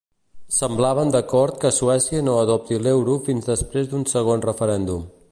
Semblaven d'acord que Suècia no adopti l'euro fins després d'un segon referèndum.